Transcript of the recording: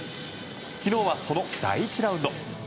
昨日はその第１ラウンド。